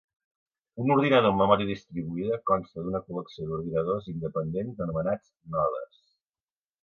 Un ordinador amb memòria distribuïda consta d'una col·lecció d'ordinadors independents anomenats nodes.